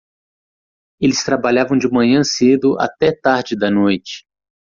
Eles trabalhavam de manhã cedo até tarde da noite.